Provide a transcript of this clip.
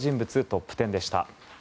トップ１０でした。